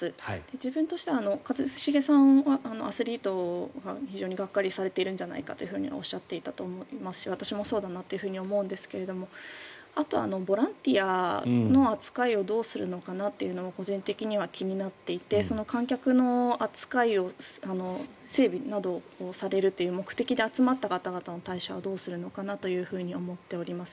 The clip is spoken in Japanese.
自分としては一茂さんはアスリートが非常にがっかりされているんじゃないかとおっしゃっていたと思いますし私もそうだなと思うんですがあとボランティアの扱いをどうするのかなと個人的には気になっていて観客の扱いを整理などをされるという目的で集まった方々の対処はどうするのかなと思っています。